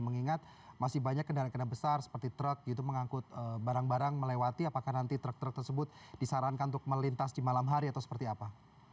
mengingat masih banyak kendaraan kendaraan besar seperti truk gitu mengangkut barang barang melewati apakah nanti truk truk tersebut disarankan untuk melintas di malam hari atau seperti apa